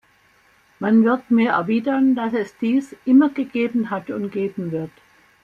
Man wird mir erwidern, dass es dies immer gegeben hat und geben wird.